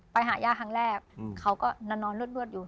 ไปหาย่าครั้งแรกเขาก็นอนรวดอยู่